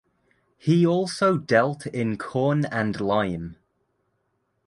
He also dealt in corn and lime.